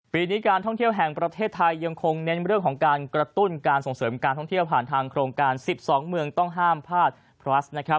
ปีนี้การท่องเที่ยวแห่งประเทศไทยยังคงเน้นเรื่องของการกระตุ้นการส่งเสริมการท่องเที่ยวผ่านทางโครงการ๑๒เมืองต้องห้ามพลาดพลัส